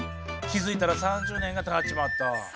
気付いたら３０年がたっちまった。